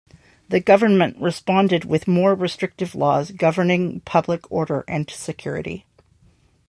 The government responded with more restrictive laws governing public order and security.